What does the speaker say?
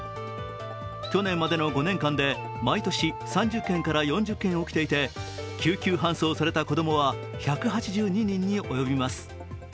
去年までの５年間で毎年３０件から４０件起きていて救急搬送された子供は１８２人に及びます。